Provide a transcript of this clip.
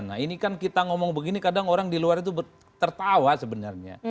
nah ini kan kita ngomong begini kadang orang di luar itu tertawa sebenarnya